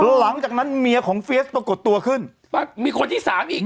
หลังจากนั้นเมียของเฟียสปรากฏตัวขึ้นมีคนที่สามอีก